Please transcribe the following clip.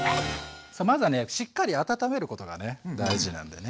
さあまずはねしっかり温めることがね大事なんだよね。